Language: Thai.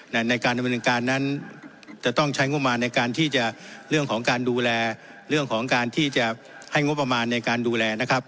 ในการดำเนินการนั้นจะต้องใช้งบประมาณในการที่จะเรื่องของการดูแลเรื่องของการที่จะให้งบประมาณในการดูแลนะครับ